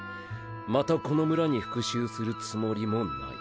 またこの村に復讐するつもりもない。